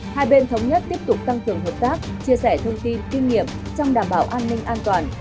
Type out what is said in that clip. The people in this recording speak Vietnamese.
hai bên thống nhất tiếp tục tăng cường hợp tác chia sẻ thông tin kinh nghiệm trong đảm bảo an ninh an toàn